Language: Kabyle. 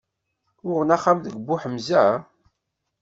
Uɣen axxam deg Buḥemza?